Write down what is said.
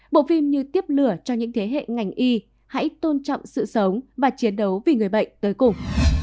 bộ phim như tiếp lửa cho những thế hệ ngành y hãy tôn trọng sự sống và chiến đấu vì người bệnh tới cùng